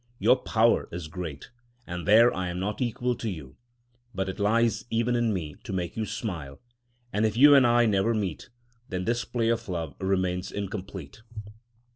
Your power is great—and there I am not equal to you—but it lies even in me to make you smile, and if you and I never meet, then this play of love remains incomplete."